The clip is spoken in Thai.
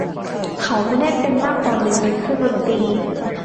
เขาไม่ได้เป็นมากกว่าหนึ่งในเครื่องดนตรี